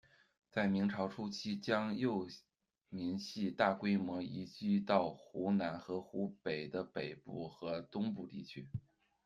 在明朝初期，江右民系大规模移居到湖南和湖北的北部和东部地区。